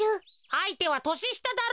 あいてはとししただろ。